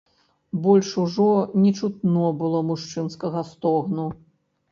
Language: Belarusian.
Больш ужо не чутно было мужчынскага стогну.